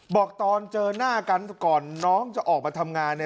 บอกตอนเจอหน้ากันก่อนน้องจะออกมาทำงาน